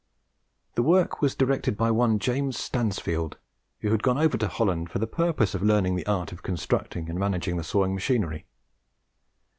The work was directed by one James Stansfield, who had gone over to Holland for the purpose of learning the art of constructing and managing the sawing machinery.